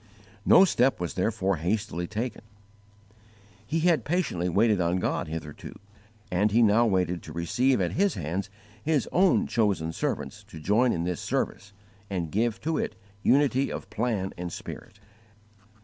No step was therefore hastily taken. He had patiently waited on God hitherto, and he now waited to receive at His hands His own chosen servants to join in this service and give to it unity of plan and spirit.